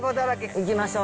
行きましょう！